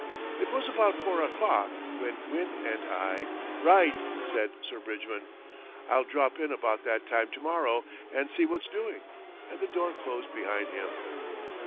"It was about four o'clock when Winn and I " "Right," said Sir Bridgman, "I'll drop in about that time to morrow and see what's doing," and the door closed behind him.